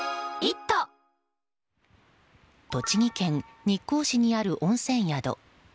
栃木県日光市にある温泉宿。